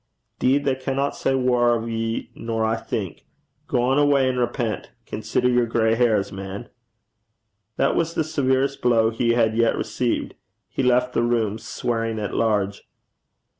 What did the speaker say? ''Deed they canna say waur o' ye nor I think. Gang awa', an' repent. Consider yer gray hairs, man.' This was the severest blow he had yet received. He left the room, 'swearing at large.'